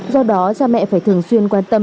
do đó cha mẹ phải thường xuyên quan tâm